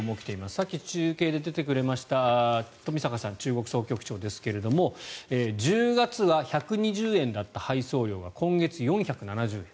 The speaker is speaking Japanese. さっき中継で出てくれました冨坂さん中国総局長ですが１０月は１２０円だった配送料が今月、４７０円。